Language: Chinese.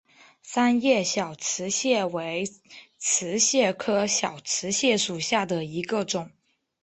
三叶小瓷蟹为瓷蟹科小瓷蟹属下的一个种。